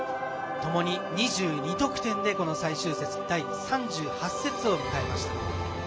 ともに２２得点でこの最終節第３８節を迎えました。